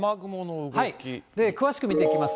詳しく見ていきます。